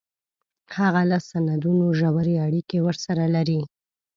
هغه له سندونو ژورې اړیکې ورسره لري